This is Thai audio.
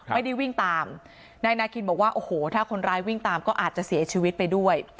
วิ่งตามนายนาคินบอกว่าโอ้โหถ้าคนร้ายวิ่งตามก็อาจจะเสียชีวิตไปด้วย